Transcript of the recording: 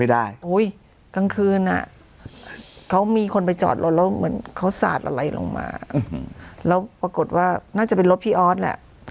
กลางคืนอ่ะเขามีคนไปจอดรถแล้วเหมือนเขาสาดอะไรลงมาแล้วปรากฏว่าน่าจะเป็นรถพี่ออสแหละ